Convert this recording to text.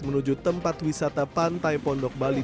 menuju tempat wisata pantai pondok bali